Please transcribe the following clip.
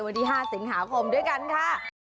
วันที่๕สิงหาคมด้วยกันค่ะ